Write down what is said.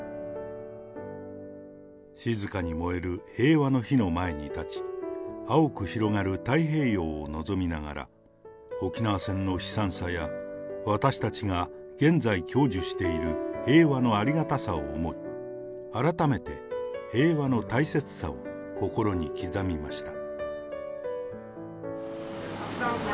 静かに燃える平和の火の前に立ち、青く広がる太平洋を望みながら、沖縄戦の悲惨さや私たちが現在、享受している平和のありがたさを思い、改めて平和の大切さを心に刻みました。